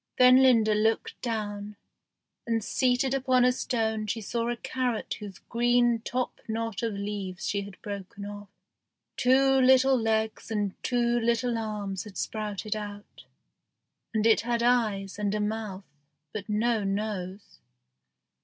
Then Linda looked down, and seated upon a stone she saw a carrot whose green top knot of leaves she had broken off. Two little legs and two little arms had sprouted out, and it had eyes and a mouth, but no nose.